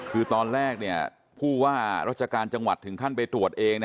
คือตอนแรกผู้ว่าราชการจังหวัดถึงขั้นไปตรวจเอง